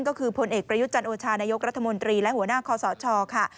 ก็คือผลเอกกระยุจรรโอชานายกรัฐมนตรีและหัวหน้าคศค